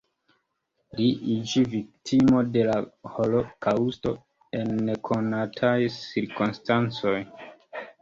Li iĝi viktimo de la holokaŭsto en nekonataj cirkonstancoj.